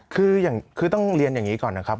คือต้องเรียนอย่างนี้ก่อนนะครับ